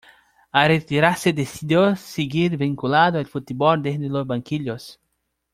Al retirarse decidió seguir vinculado al fútbol desde los banquillos.